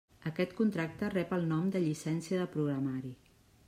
Aquest contracte rep el nom de “llicència de programari”.